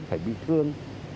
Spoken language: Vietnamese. phải bị thương